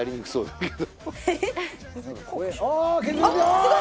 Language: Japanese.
すごい！